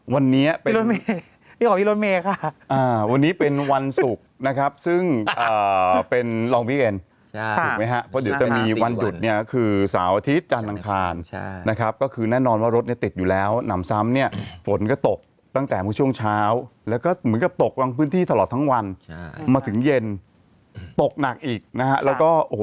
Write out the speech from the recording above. วันนี้เป็นวันศุกร์นะครับซึ่งเป็นรองพิเศรษฐถูกไหมครับเพราะเดี๋ยวจะมีวันหยุดเนี่ยคือสาวอาทิตย์จานทางคลานนะครับก็คือแน่นอนว่ารถเนี่ยติดอยู่แล้วหนำซ้ำเนี่ยฝนก็ตกตั้งแต่ช่วงเช้าแล้วก็เหมือนกับตกบางพื้นที่ตลอดทั้งวันมาถึงเย็นตกหนักอีกนะฮะแล้วก็โอ้โห